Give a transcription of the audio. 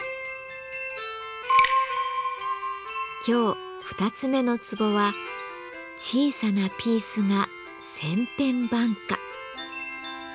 今日２つ目の壺は「小さなピースが千変万化」。